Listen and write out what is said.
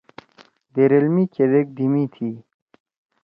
دیریل می کھیدیک دھیِمی تھی؟